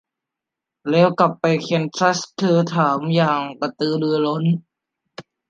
แล้วกลับไปแคนซัส ? เธอถามอย่างกระตือรือร้น